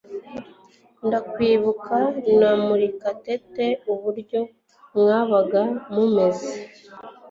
ndakwibuka na murekatete uburyo mwabag mumeze